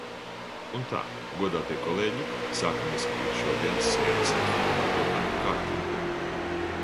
Un tā, godātie kolēģi, sākam izskatīt šodienas sēdes apstiprināto darba kārtību.